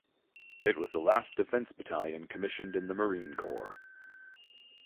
It was the last defense battalion commissioned in the Marine Corps.